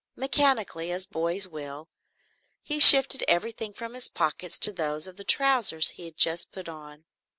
Mechanically, as boys will, he shifted everything from his pockets to those of the trousers he had just put on.